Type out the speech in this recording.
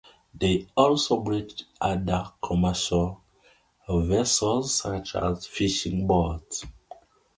They also built other commercial vessels such as fishing boats.